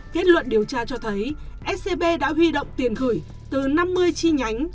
kết luận điều tra cho thấy scb đã huy động tiền gửi từ năm mươi chi nhánh